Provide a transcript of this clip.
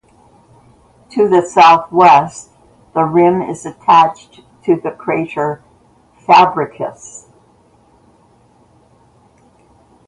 To the southwest the rim is attached to the crater Fabricius.